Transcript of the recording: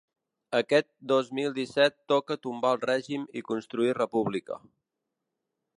Aquest dos mil disset toca tombar el règim i construir república.